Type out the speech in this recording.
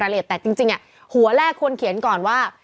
แต่จริงหัวแรกควรเขียนก่อนว่า